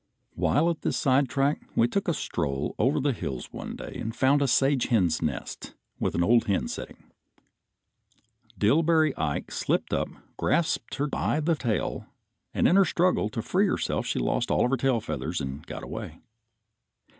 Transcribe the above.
While at this sidetrack we took a stroll over the hills one day and found a sage hen's nest with the old hen setting. Dillbery Ike slipped up, grasped her by the tail and in her struggle to free herself she lost all her tail feathers and got away.